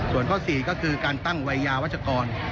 ส่วนข้อ๔ก็คือการตั้งวัยยาวัชกร